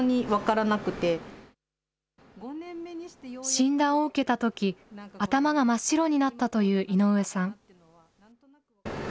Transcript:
診断を受けたとき、頭が真っ白になったという井上さん。